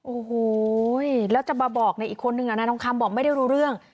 โอ้โหแล้วจะมาบอกในอีกคนนึงนายทองคำบอกไม่ได้รู้เรื่อง